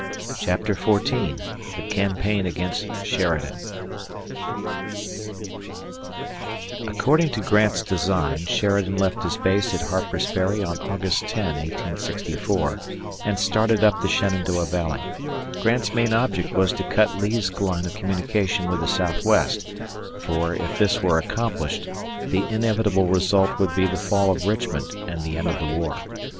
CHAPTER XIV THE CAMPAIGN AGAINST SHERIDAN ACCORDING to Grant's design, Sheridan left his base at Harper's Ferry on August 10, 1864, and started up the Shenandoah Valley. Grant's main object was to cut Lee's line of communication with the southwest, for, if this were accomplished, the inevitable result would be the fall of Richmond and the end of the war.